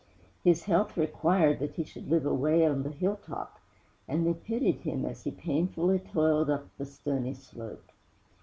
His health required that he should live away on the hill top, and they pitied him as he painfully toiled up the stony slope.